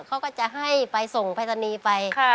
เขาก็จะให้ไปส่งไปตอนนี้